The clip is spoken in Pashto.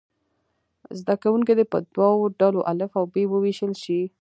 زده کوونکي دې په دوو ډلو الف او ب وویشل شي.